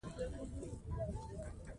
دریابونه د افغانستان په طبیعت کې مهم رول لري.